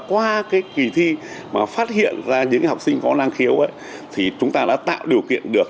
qua cái kỳ thi mà phát hiện ra những học sinh có năng khiếu ấy thì chúng ta đã tạo điều kiện được